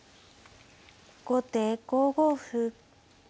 後手５五歩。